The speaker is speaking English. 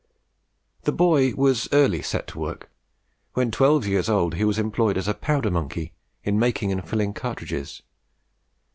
The boy was early set to work. When twelve years old he was employed as a "powder monkey," in making and filling cartridges.